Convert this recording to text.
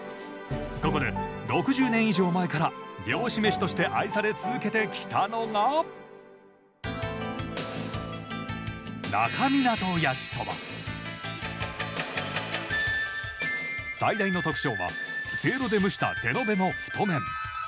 ここで６０年以上前から漁師飯として愛され続けてきたのが最大の特徴はせいろで蒸した手延べの太麺。